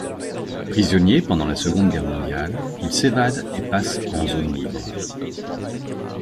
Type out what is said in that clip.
Prisonnier pendant la seconde guerre mondiale, il s'évade et passe en zone libre.